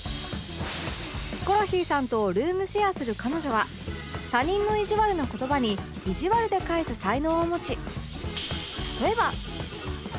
ヒコロヒーさんとルームシェアする彼女は他人のいじわるな言葉にいじわるで返す才能を持ち例えば